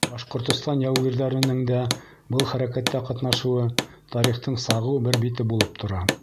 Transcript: Башҡортостан яугирҙәренең дә был хәрәкәттә ҡатнашыуы тарихтың сағыу бер бите булып тора.